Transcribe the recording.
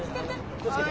気を付けて。